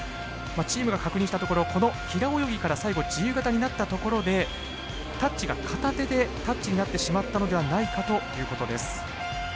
チームが確認したところこの平泳ぎから最後自由形になったところでタッチが片手でタッチになってしまったのではないかということです。